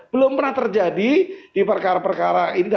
belum pernah terjadi di perkara perkara ini